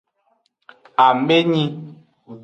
Amenyi.